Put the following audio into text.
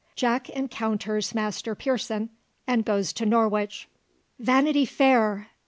JACK ENCOUNTERS MASTER PEARSON, AND GOES TO NORWICH. "Vanity Fair!